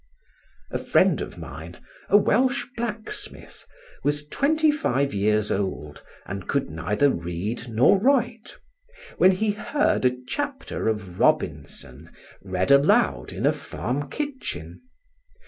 A friend of mine, a Welsh blacksmith, was twenty five years old and could neither read nor write, when he heard a chapter of Robinson read aloud in a farm kitchen.